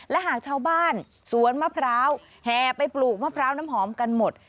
และหากชาวบ้านสวนมะพร้าวแห่ไปปลูกมะพร้าวน้ำหอมกันหมด